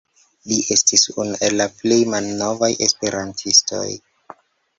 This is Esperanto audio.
Li estis unu el la plej malnovaj Esperantistoj.